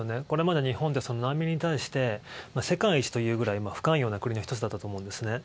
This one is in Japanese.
これまで日本って難民に対して世界一というぐらい不寛容の国の１つだったと思うんです。